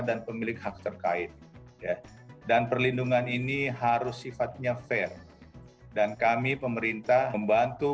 dan pemilik hak terkait dan perlindungan ini harus sifatnya fair dan kami pemerintah membantu